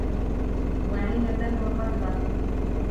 وَعِنَبًا وَقَضْبًا